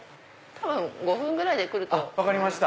多分５分ぐらいで来ます。